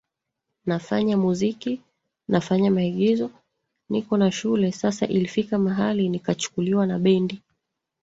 nafanya muziki nafanya maigizo niko na shule sasa ilifika mahali nikachukuliwa na bendi